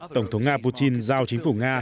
tổng thống nga putin giao chính phủ nga